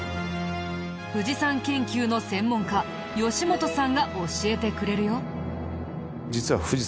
富士山研究の専門家吉本さんが教えてくれるよ。